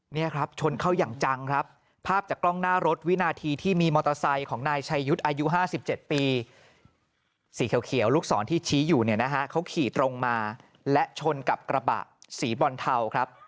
นี่ครับชนเข้าอย่างจังครับภาพจากกล้องหน้ารถวินาทีที่มีมอเตอร์ไซค์ของนายชัยยุทธ์อายุ๕๗ปีสีเขียวลูกศรที่ชี้อยู่เนี่ยนะฮะเขาขี่ตรงมาและชนกับกระบะสีบอลเทาครับ